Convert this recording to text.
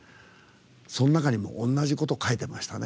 その中に同じこと書いてましたね。